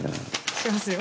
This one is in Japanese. しますよ。